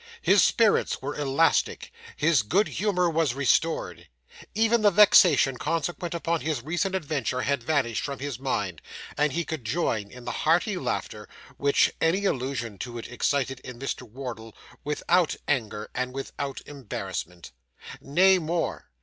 His spirits were elastic; his good humour was restored. Even the vexation consequent upon his recent adventure had vanished from his mind; and he could join in the hearty laughter, which any allusion to it excited in Mr. Wardle, without anger and without embarrassment. Nay, more.